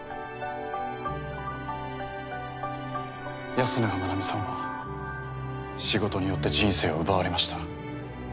安永真奈美さんは仕事によって人生を奪われました。